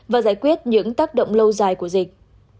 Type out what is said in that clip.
và giải quyết những tác động lâu dài của dịch